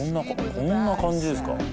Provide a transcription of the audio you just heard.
こんな感じですか